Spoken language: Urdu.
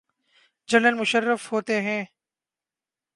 جنرل مشرف ہوتے ہیں۔